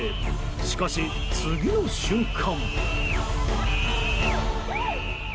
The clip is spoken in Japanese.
しかし、次の瞬間。